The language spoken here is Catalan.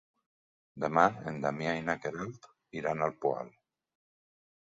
Demà en Damià i na Queralt iran al Poal.